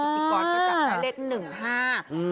อีกก่อนเขาจับแรก๑๕